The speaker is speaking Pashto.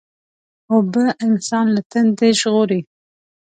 اوبه انسان له تندې ژغوري.